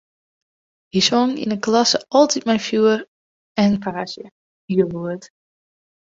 Hy song yn 'e klasse altyd mei fjoer en faasje, hiel lûd.